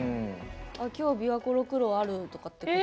今日、琵琶湖六郎あるとかってこと？